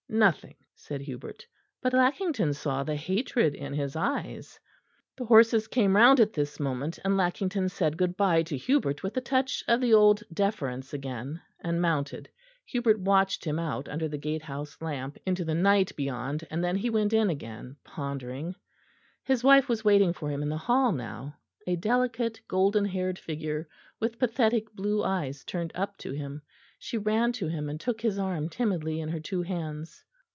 "Nothing," said Hubert; but Lackington saw the hatred in his eyes. The horses came round at this moment; and Lackington said good bye to Hubert with a touch of the old deference again, and mounted. Hubert watched him out under the gatehouse lamp into the night beyond, and then he went in again, pondering. His wife was waiting for him in the hall now a delicate golden haired figure, with pathetic blue eyes turned up to him. She ran to him and took his arm timidly in her two hands.